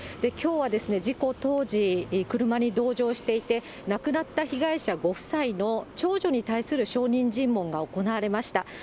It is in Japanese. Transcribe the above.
きょうは事故当時、車に同乗していて亡くなった被害者ご夫妻の長女に対する証人尋問が行われました。